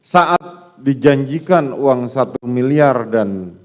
saat dijanjikan uang satu miliar dan